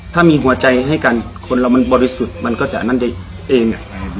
ถ้ามีหัวใจให้กันคนเรามันบริสุทธิ์มันก็จะอันนั้นได้เอง